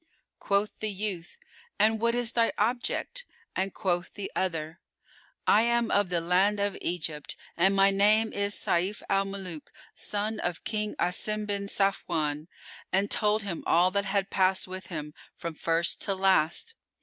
Quoth the youth, "And what is thy object?"; and quoth the other, "I am of the land of Egypt and my name is Sayf al Muluk son of King Asim bin Safwan"; and told him all that had passed with him, from first to last.